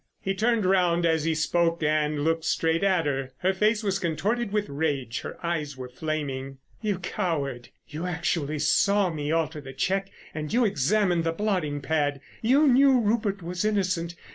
He turned round as he spoke and looked straight at her. Her face was contorted with rage, her eyes were flaming. "You coward! You actually saw me alter the cheque and you examined the blotting pad! You knew Rupert was innocent.